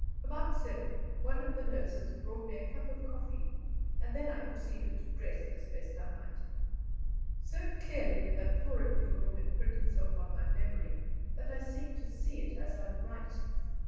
About seven one of the nurses brought me a cup of coffee, and then I proceeded to dress as best I might. So clearly did that horrid little room imprint itself on my memory that I seem to see it as I write.